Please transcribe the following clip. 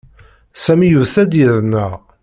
Sami yusa-d yid-neɣ.